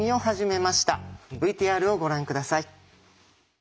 ＶＴＲをご覧下さい。